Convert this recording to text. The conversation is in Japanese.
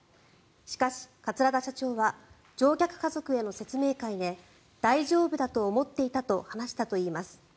しかし、桂田社長は乗客家族への説明会で大丈夫だと思っていたと話したといいます。